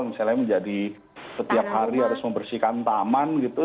misalnya menjadi setiap hari harus membersihkan taman gitu